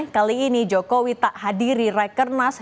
kali ini jokowi tak hadiri rakernas